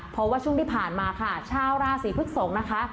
เพราะว่าช่วงที่ผ่านมาค่ะชาวราศีพฤกษกนะคะ